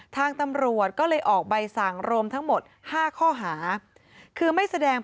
ทางตำรวจก็เลยออกใบสั่งรวมทั้งหมดห้าข้อหาคือไม่แสดง